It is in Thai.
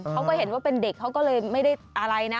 เขาก็เห็นว่าเป็นเด็กเขาก็เลยไม่ได้อะไรนะ